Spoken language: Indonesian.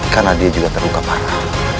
karena dia juga terluka parah